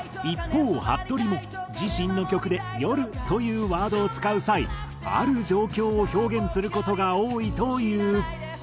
一方はっとりも自身の曲で「夜」というワードを使う際ある状況を表現する事が多いという。